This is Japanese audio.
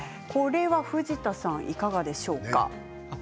藤田さん、いかがでしょうか。